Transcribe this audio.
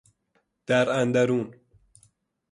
در اندرون